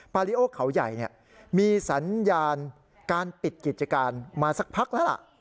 ริโอเขาใหญ่มีสัญญาณการปิดกิจการมาสักพักแล้วล่ะ